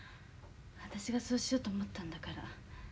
私がそうしようと思ったんだから。